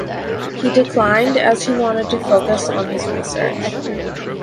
He declined as he wanted to focus on his research.